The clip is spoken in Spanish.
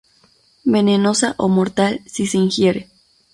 Venenosa o mortal si se ingiere.